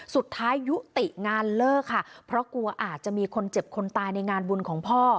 สุดท้ายยุติงานเลิกค่ะเพราะกลัวอาจจะมีคนเจ็บคนตายในงานบุญของพ่อ